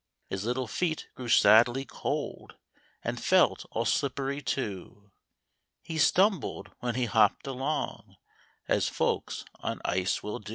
His little feet grew sadly cold, And felt all slippery too ; He stumbled when he hopped along As folks on ice will do.